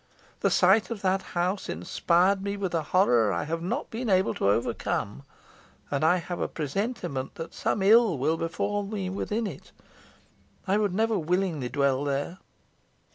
The sight of that house inspired me with a horror I have not been able to overcome; and I have a presentiment that some ill will befall me within it. I would never willingly dwell there."